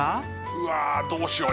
うわあどうしよう。